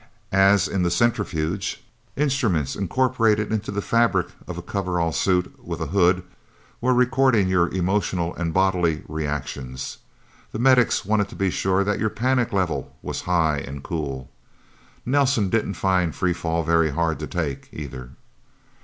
As in the centrifuge, instruments incorporated into the fabric of a coverall suit with a hood, were recording your emotional and bodily reactions. The medics wanted to be sure that your panic level was high and cool. Nelsen didn't find free fall very hard to take, either.